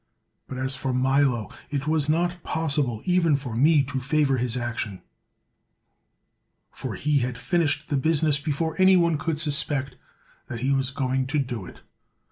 But as for Milo, it was not possible even for me to favor his action ; for he had fin ished the business before any one could suspect that he was going to do it.